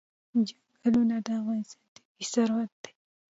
چنګلونه د افغانستان طبعي ثروت دی.